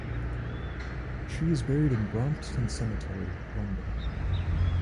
She is buried in Brompton Cemetery, London.